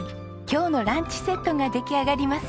今日のランチセットが出来上がりますよ。